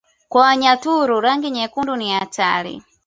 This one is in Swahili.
Kwa Wanyaturu rangi nyekundu ni hatari